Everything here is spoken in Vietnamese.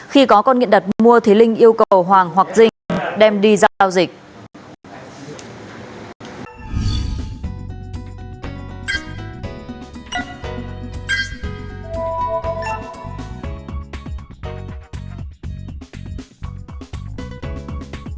khi có con nghiện đặt mua thì linh yêu cầu hoàng hoặc dinh đem đi giao dịch